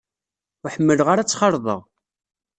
Ur ḥemmleɣ ara ad tt-xalḍeɣ.